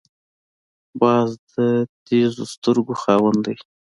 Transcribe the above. باز د تېزو سترګو خاوند دی